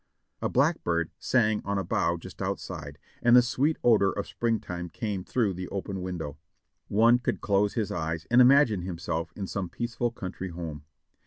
A blackbird sang on a bough just outside, and the sweet odor of springtime came through the open window. One could close his eyes and imagine himself in some peaceful country home.